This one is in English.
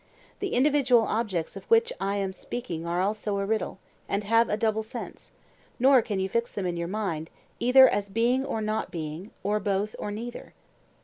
The individual objects of which I am speaking are also a riddle, and have a double sense: nor can you fix them in your mind, either as being or not being, or both, or neither.